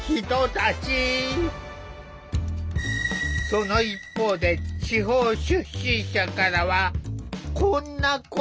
その一方で地方出身者からはこんな声も。